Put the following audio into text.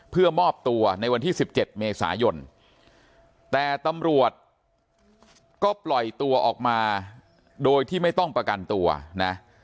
เพื่อมอบตัวในวันที่๑๗เมษายนแต่ตำรวจก็ปล่อยตัวออกมาโดยที่ไม่ต้องประกันตัวนะ